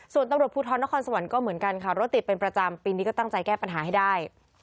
ส่วนตำรวจภูทรนครสวรรค์ก็เหมือนกันค่ะรถติดเป็นประจำปีนี้ก็ตั้งใจแก้ปัญหาให้ได้